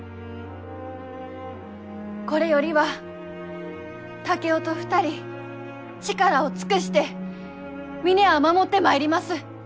これよりは竹雄と２人力を尽くして峰屋を守ってまいります。